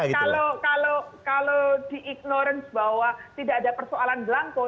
kalau di ignorance bahwa tidak ada persoalan belangko